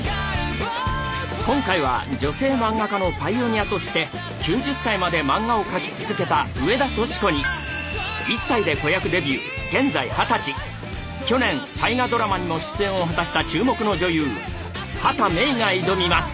今回は女性漫画家のパイオニアとして９０歳まで漫画を描き続けた上田トシコに１歳で子役デビュー現在二十歳去年「大河ドラマ」にも出演を果たした注目の女優畑芽育が挑みます。